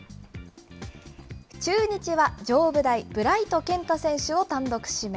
中日は上武大、ブライト健太選手を単独指名。